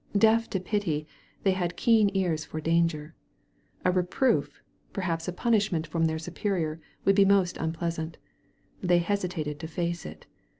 Deaf to pity, they had keen ears for danger. A reproof, perhaps a punishment from their superior would be most xmpleasant. They hesitated to face it.